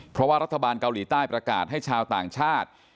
เพราะว่ารัฐบาลเกาหลีใต้ประกาศให้ชาวต่างชาติ